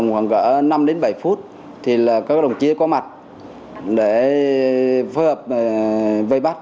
khoảng cả năm đến bảy phút thì các đồng chí đã có mặt để phối hợp vây bắt